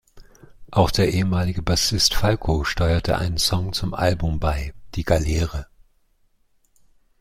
Auch der ehemalige Bassist Falco steuerte einen Song zum Album bei: "Die Galeere".